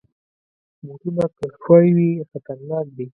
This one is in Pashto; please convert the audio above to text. بوټونه که ښوی وي، خطرناک دي.